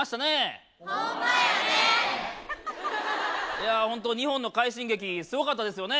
いや本当日本の快進撃すごかったですよね。